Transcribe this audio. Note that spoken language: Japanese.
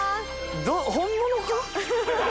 本物か？